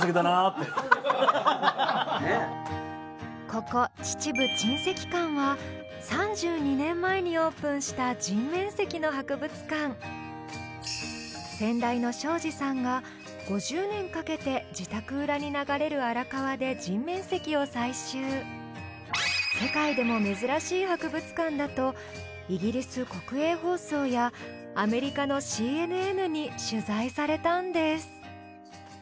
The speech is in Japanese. ここ秩父珍石館は３２年前にオープンした人面石の博物館先代の正二さんが５０年かけて自宅裏に流れる荒川で人面石を採集世界でも珍しい博物館だとイギリス国営放送やアメリカのＣＮＮに取材されたんです